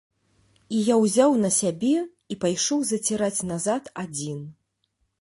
Я ўзяў на сябе і пайшоў заціраць назад адзін.